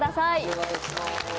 お願いします